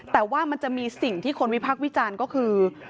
แต่ว่ามันจะมีสิ่งที่คนวิพักษ์วิจารณ์ก็คือ